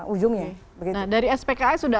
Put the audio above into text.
ujungnya dari spki sudah